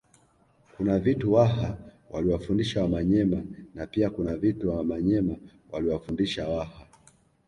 Kuna vitu Waha waliwafundisha Wamanyema na pia kuna vitu Wamanyema waliwafundisha Waha